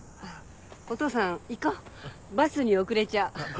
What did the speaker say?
お父さん行こうバスに遅れちゃう。